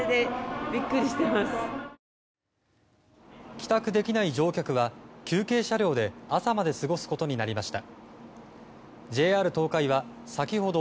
帰宅できない乗客は休憩車両で朝まで過ごすことになりました。